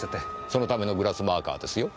そのためのグラスマーカーですよ？